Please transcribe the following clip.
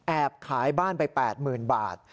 ขายบ้านไป๘๐๐๐บาท